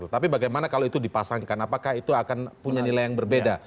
tapi bagaimana kalau itu dipasangkan apakah itu akan punya nilai yang berbeda